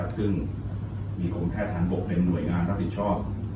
ซึ่งมีกรมแพทย์ฐานบกเป็นหน่วยงานรับผิดชอบ